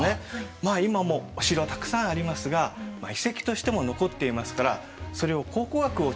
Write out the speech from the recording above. まあ今もお城たくさんありますが遺跡としても残っていますからそれを考古学を中心にして調べていこう。